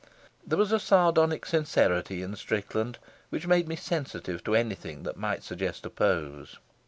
There was a sardonic sincerity in Strickland which made me sensitive to anything that might suggest a pose.